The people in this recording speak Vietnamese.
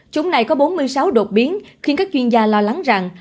chúng này có bốn mươi sáu đột biến khiến các chuyên gia lo lắng rằng